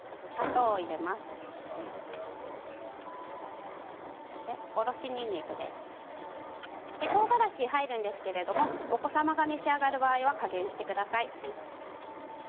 とうがらし入るんですけれどもお子様が召し上がる場合は加減してください。